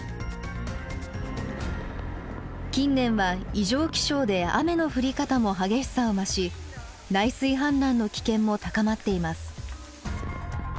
近年は異常気象で雨の降り方も激しさを増し内水氾濫の危険も高まっています。